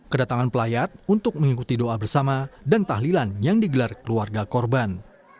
kedatangan pelayat untuk mengikuti doa bersama dan tahlilan yang digelar keluarga korban